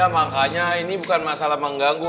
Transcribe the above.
makanya ini bukan masalah mengganggu